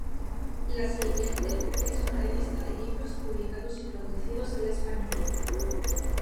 La siguiente es una lista de libros publicados y traducidos al español.